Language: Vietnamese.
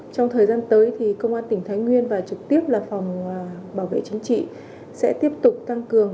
trong thời gian tới thì công an tỉnh thái nguyên và trực tiếp là phòng bảo vệ chính trị sẽ tiếp tục tăng cường